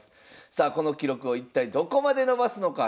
さあこの記録を一体どこまで伸ばすのか。